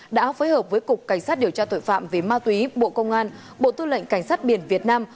đã phối hợp với cục cảnh sát điều tra tội phạm về ma túy bộ công an bộ tư lệnh cảnh sát biển việt nam